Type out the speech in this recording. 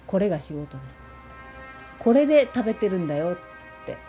「これで食べてるんだよ」って。